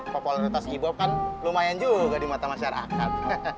popularitas ibob kan lumayan juga di mata masyarakat